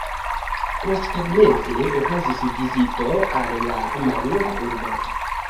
Posttagmeze okazis vizito al la malnova urbo.